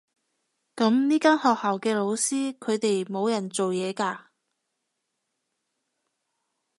噉呢間學校嘅老師，佢哋冇人做嘢㗎？